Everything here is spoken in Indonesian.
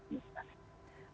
ini kita lihat